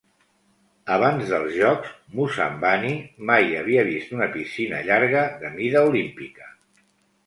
Abans dels Jocs, Moussambani mai havia vist una piscina llarga de mida olímpica.